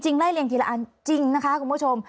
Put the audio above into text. ไล่เรียงทีละอันจริงนะคะคุณผู้ชม